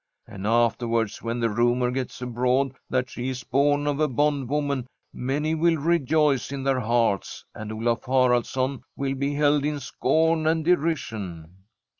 And afterwards when the rumour gets abroad that she is born of a bondwoman, many will rejoice in their hearts, and Olaf Haraldsson will be held in scorn and derision."